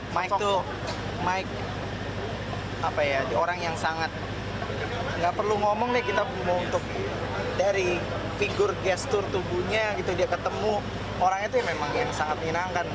mike mike orang yang sangat gak perlu ngomong deh kita mau untuk dari figur gestur tubuhnya gitu dia ketemu orangnya tuh memang yang sangat menyenangkan